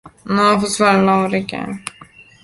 Nu a fost floare la ureche.